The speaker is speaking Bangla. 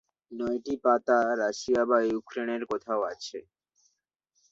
নয়টি পাতা রাশিয়া বা ইউক্রেনের কোথাও আছে।